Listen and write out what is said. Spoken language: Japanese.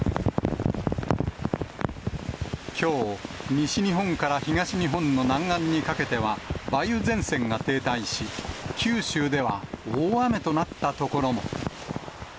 きょう、西日本から東日本の南岸にかけては、梅雨前線が停滞し、九州では大雨となった所も。